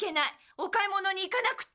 お買い物に行かなくっちゃ。